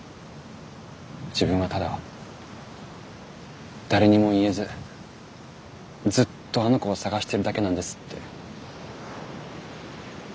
自分はただ誰にも言えずずっとあの子を捜しているだけなんです」って。